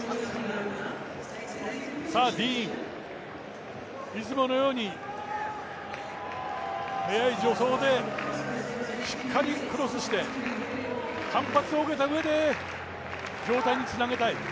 さあ、ディーン、いつものように速い助走でしっかりクロスして反発を受けたうえで上体につなげたい。